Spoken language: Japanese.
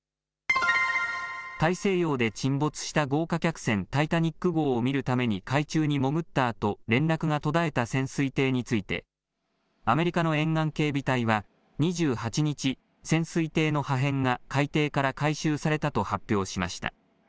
大西洋で沈没した豪華客船、タイタニック号を見るために海中に潜ったあと連絡が途絶えた潜水艇についてアメリカの沿岸警備隊は２８日、潜水艇の破片が海底から回収されたと発表しました。